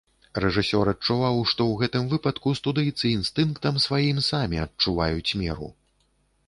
Рэжысёр адчуваў, што ў гэтым выпадку студыйцы інстынктам сваім самі адчуваюць меру.